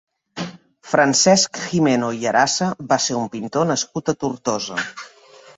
Francesc Gimeno i Arasa va ser un pintor nascut a Tortosa.